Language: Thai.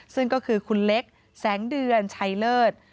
ซึ่งก็คือคุณเล็กแสงเดือนชัยเลิศ